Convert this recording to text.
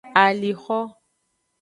Alixo.